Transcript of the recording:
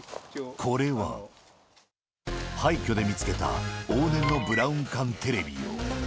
これは、廃虚で見つけた往年のブラウン管テレビを。